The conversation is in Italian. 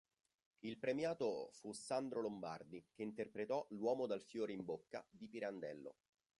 Il premiato fu Sandro Lombardi, che interpretò L'uomo dal fiore in bocca di Pirandello.